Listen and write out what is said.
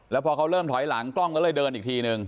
แล้วพอเขาเริ่มถอยหลังกล้องก็เลยเดินอีกทีนึง